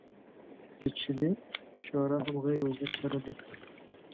د چیلې شوره هم غیر عضوي سره ده.